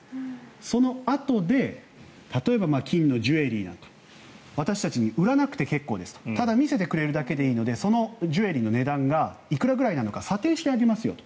そのあとで例えば、金のジュエリー私たちに売らなくて結構ですとただ見せてくれるだけでいいのでそのジュエリーの値段がいくらぐらいなのか査定してあげますよと。